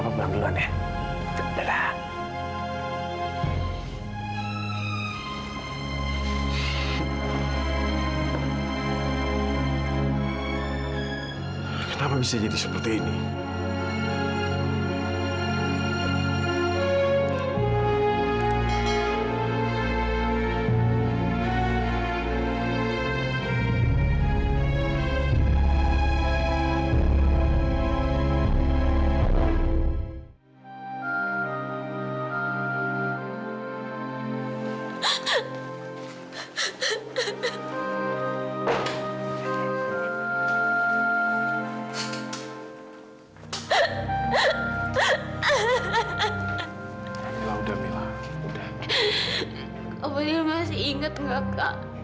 pak fadil masih ingat kak